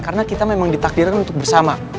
karena kita memang ditakdirkan untuk bersama